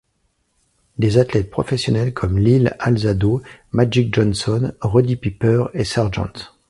Des athlètes professionnels comme Lyle Alzado, Magic Johnson, Roddy Piper et Sgt.